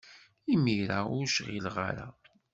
Imir-a, ur cɣileɣ ara.